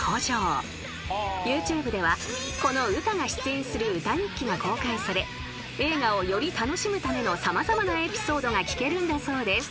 ［ＹｏｕＴｕｂｅではこのウタが出演する『ウタ日記』が公開され映画をより楽しむための様々なエピソードが聞けるんだそうです］